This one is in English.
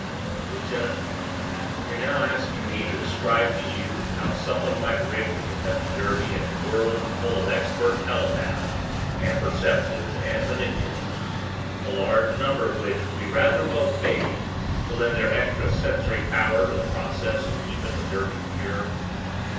"Lieutenant, you're now asking me to describe to you how someone might rig the Kentucky Derby in a world full of expert telepaths and perceptives and manipulators, a large number of which will be rather well paid to lend their extrasensory power to the process of keeping the Derby pure."